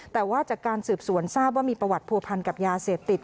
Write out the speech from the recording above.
แต่ว่าจากการสืบสวนทราบว่ามีประวัติผัวพันกับยาเสพติด